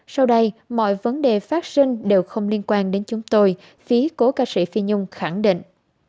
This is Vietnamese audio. sau đây mọi vấn đề phát sinh đều không liên quan đến chúng tôi phía cố ca sĩ phi nhung khẳng định